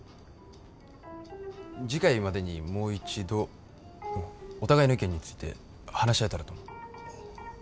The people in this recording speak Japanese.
次回までにもう一度お互いの意見について話し合えたらと思う。